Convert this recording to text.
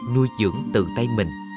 nuôi dưỡng từ tay mình